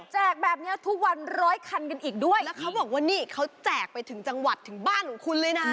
แบบเนี้ยทุกวันร้อยคันกันอีกด้วยแล้วเขาบอกว่านี่เขาแจกไปถึงจังหวัดถึงบ้านของคุณเลยนะ